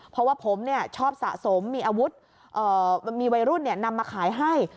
เพราะว่าผมชอบสะสมมีอาวุธมีวัยรุ่นนำมาขายให้